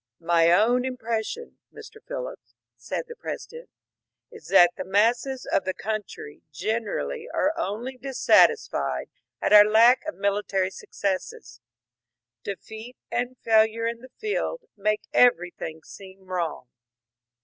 ^^ My own impression, Mr. Phillips," said the Presi dent, ^^ is that the masses of the oountry generaUy are only dissatisfied at our lack of military successes. Defeat and fail ure in the field make everything seem wrong."